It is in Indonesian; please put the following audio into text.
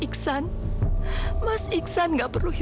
papa ditangkap sama polisi